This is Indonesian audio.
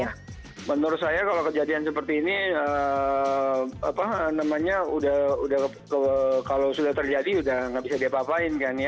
ya menurut saya kalau kejadian seperti ini kalau sudah terjadi sudah tidak bisa diapa apain